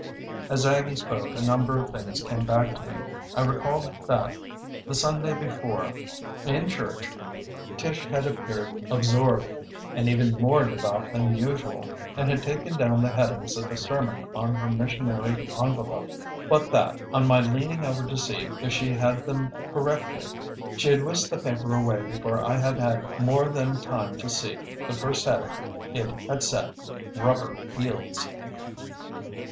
As Aggie spoke a number of things came back to me. I recalled that the Sunday before, in church, Tish had appeared absorbed and even more devout than usual, and had taken down the headings of the sermon on her missionary envelope; but that, on my leaning over to see if she had them correctly, she had whisked the paper away before I had had more than time to see the first heading. It had said "Rubber Heels."